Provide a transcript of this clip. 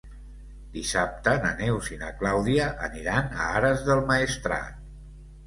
Dissabte na Neus i na Clàudia aniran a Ares del Maestrat.